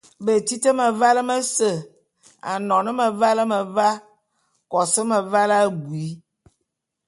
Betit mevale mese, anon meval meva, kos meval abui.